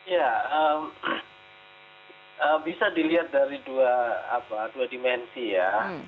ya bisa dilihat dari dua dimensi ya